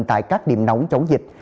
tại các điểm nóng chống dịch